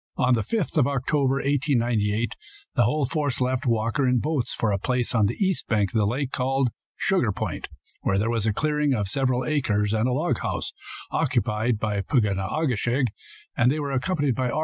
On the 5th of October, 1898, the whole force left Walker in boats for a place on the east bank of the lake, called Sugar Point, where there was a clearing of several acres and a log house, occupied by Pug on a ke shig. They were accompanied by R.